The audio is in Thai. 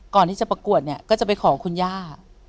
ก่อนที่จะประกวดก็จะไปขอของคุณญี่